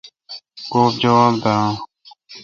کو جواب داین۔